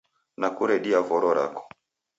Nakuredia voro rako